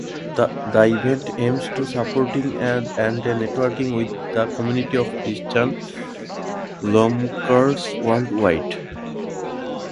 The event aims at supporting and networking within the community of Christian lawmakers worldwide.